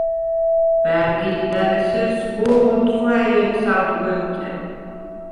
ბა̈რგილდა̈რ ესერ სგოღ ოთხვაჲედ სადგემთე.